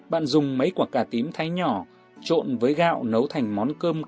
bạn dùng mấy quả cà tím thái nhỏ trộn với gạo nấu thành món cơm cà tím